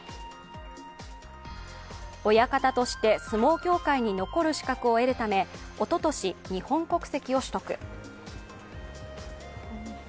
親方として相撲協会に残る資格を得るためおととし、日本国籍を取得。